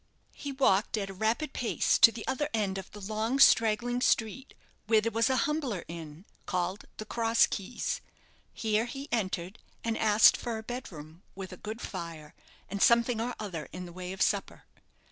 He walked at a rapid pace to the other end of the long, straggling street, where there was a humbler inn, called the "Cross Keys." Here he entered, and asked for a bed room, with a good fire, and something or other in the way of supper.